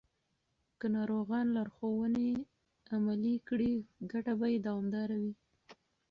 که ناروغان لارښوونې عملي کړي، ګټه به یې دوامداره وي.